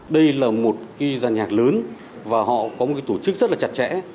đây là một giàn nhạc lớn và họ có một tổ chức rất là chặt chẽ